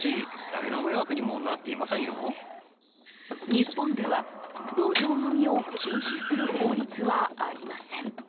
日本では、路上飲みを禁止する法律はありません。